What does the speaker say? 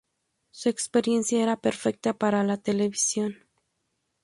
Su experiencia era perfecta para la televisión.